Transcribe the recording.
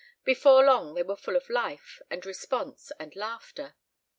Before long they were full of life, and response, and laughter.